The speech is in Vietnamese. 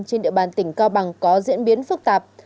trên địa bàn tỉnh cao bằng có diễn biến phức tạp